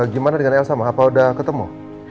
gimana dengan elsa ma apa udah ketemu